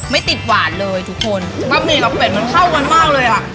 หวานเลยทุกคนราบนี้แล้วเป็ดมันเข้ากันมากเลยอ่ะ